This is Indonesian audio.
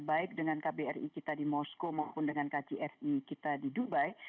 baik dengan kbri kita di moskow maupun dengan kjri kita di dubai